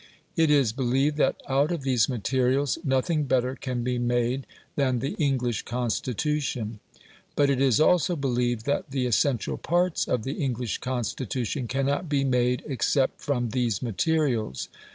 It is believed that out of these materials nothing better can be made than the English Constitution; but it is also believed that the essential parts of the English Constitution cannot be made except from these materials.